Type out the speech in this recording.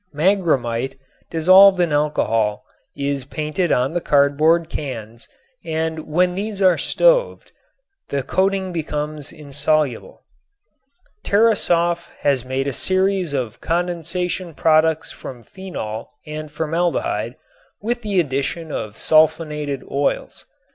Magramite dissolved in alcohol is painted on the cardboard cans and when these are stoved the coating becomes insoluble. Tarasoff has made a series of condensation products from phenol and formaldehyde with the addition of sulfonated oils.